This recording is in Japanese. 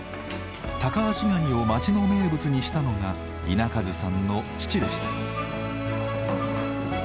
タカアシガニを町の名物にしたのが稲一さんの父でした。